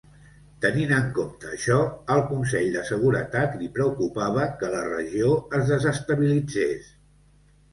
Tenint en compte això, al Consell de Seguretat li preocupava que la regió es desestabilitzés.